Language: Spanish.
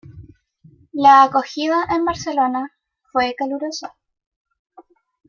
La acogida en Barcelona fue calurosa.